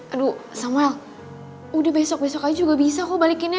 aduh samuel udah besok besok aja juga bisa kok balikinnya